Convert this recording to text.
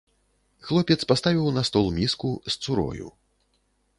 Хлопец паставіў на стол міску з цурою.